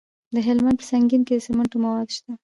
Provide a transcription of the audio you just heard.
د هلمند په سنګین کې د سمنټو مواد شته.